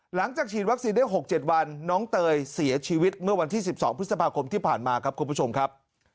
หลังจากฉีดวัคซีนได้๖๗วันน้องเตยเสียชีวิตเมื่อวันที่๑๒พฤษภาคมที่ผ่านมาครับคุณผู้ชมครับ